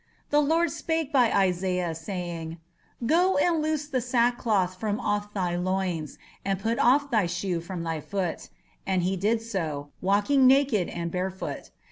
The Lord spake by Isaiah saying, "Go and loose the sackcloth from off thy loins, and put off thy shoe from thy foot. And he did so, walking naked and barefoot.